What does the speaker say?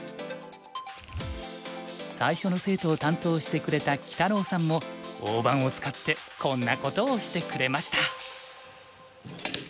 最初の生徒を担当してくれたきたろうさんも大盤を使ってこんなことをしてくれました。